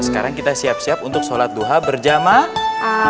sekarang kita siap siap untuk sholat duha berjamaah